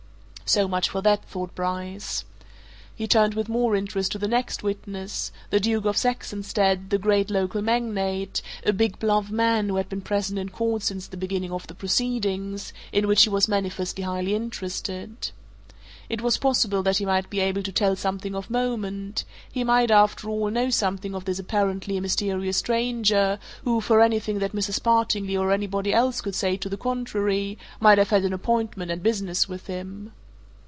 So much for that, thought Bryce. He turned with more interest to the next witness the Duke of Saxonsteade, the great local magnate, a big, bluff man who had been present in court since the beginning of the proceedings, in which he was manifestly highly interested. It was possible that he might be able to tell something of moment he might, after all, know something of this apparently mysterious stranger, who, for anything that Mrs. Partingley or anybody else could say to the contrary, might have had an appointment and business with him.